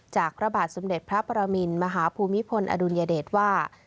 พระบาทสมเด็จพระปรมินมหาภูมิพลอดุลยเดชว่า